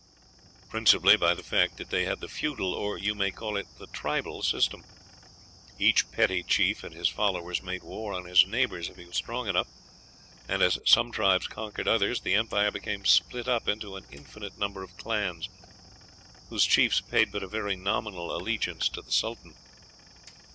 "Principally by the fact that they had the feudal, or you may call it the tribal, system. Each petty chief and his followers made war on his neighbors if he was strong enough; and as some tribes conquered others, the empire became split up into an indefinite number of clans, whose chiefs paid but a very nominal allegiance to the sultan.